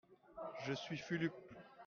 Je suis Fulup.